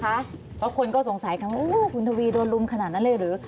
เพราะคนก็สงสัยกันว่าคุณทวีโดนรุมขนาดนั้นเลยหรือ